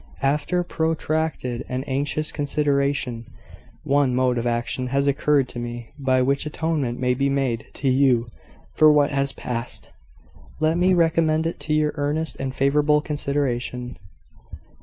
After protracted and anxious consideration, one mode of action has occurred to me, by which atonement may be made to you, for what has passed. Let me recommend it to your earnest and favourable consideration.